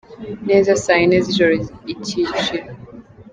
neza saa yine z’ijoro icyiciro.